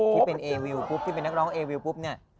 ที่เป็นนักร้องเอวิวนี่